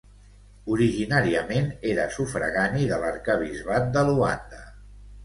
Originàriament era sufragani de l'arquebisbat de Luanda.